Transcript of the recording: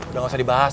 udah gak usah dibahas